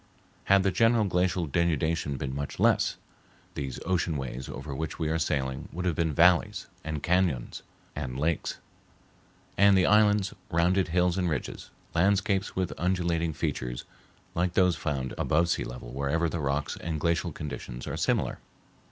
Had the general glacial denudation been much less, these ocean ways over which we are sailing would have been valleys and cañons and lakes; and the islands rounded hills and ridges, landscapes with undulating features like those found above sea level wherever the rocks and glacial conditions are similar.